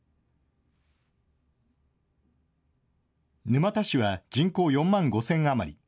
沼田市は人口４万５０００余り。